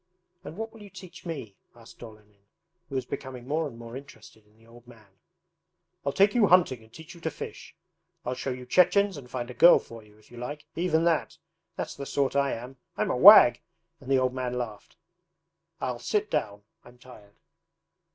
'And what will you teach me?' asked Olenin, who was becoming more and more interested in the old man. 'I'll take you hunting and teach you to fish. I'll show you Chechens and find a girl for you, if you like even that! That's the sort I am! I'm a wag!' and the old man laughed. 'I'll sit down. I'm tired.